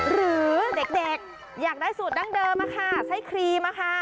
หรือเด็กอยากได้สูตรดั้งเดิม